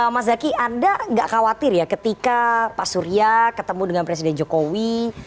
mas zaky anda nggak khawatir ya ketika pak surya ketemu dengan presiden jokowi